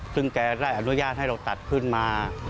ซึ่งแกได้อนุญาตให้เราตัดขึ้นมา